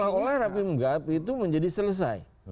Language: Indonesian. seolah olah rapim gap itu menjadi selesai